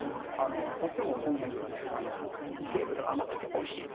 とってもこの辺ではね伊勢エビより甘くておいしいと。